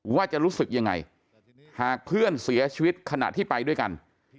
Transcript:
ว่าจะรู้สึกยังไงหากเพื่อนเสียชีวิตขณะที่ไปด้วยกัน